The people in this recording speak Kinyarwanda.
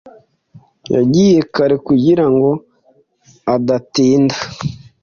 Yagiye kare kugirango adatinda.